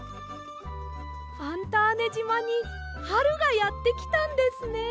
ファンターネ島にはるがやってきたんですね。